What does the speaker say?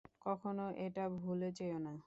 কখনো এটা ভুলে যেও না।